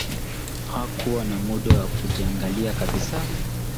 Hakuwa na muda wa kujiangalia kabisa